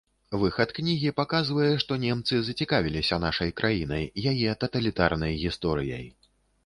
Выхад кнігі паказвае, што немцы зацікавіліся нашай краінай, яе таталітарнай гісторыяй.